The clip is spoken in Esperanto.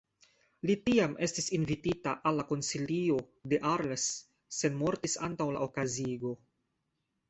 Li tiam estis invitita al la Konsilio de Arles sed mortis antaŭ la okazigo.